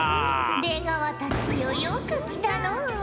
出川たちよよく来たのう。